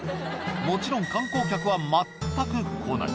もちろん観光客は全く来ない。